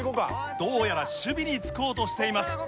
どうやら守備につこうとしています。